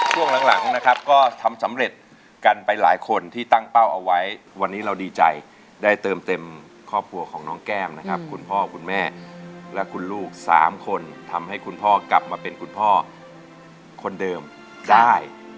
ช่วงหลังนะครับก็ทำสำเร็จกันไปหลายคนที่ตั้งเป้าเอาไว้วันนี้เราดีใจได้เติมเต็มครอบครัวของน้องแก้มนะครับคุณพ่อคุณแม่และคุณลูก๓คนทำให้คุณพ่อกลับมาเป็นคุณพ่อคนเดิมได้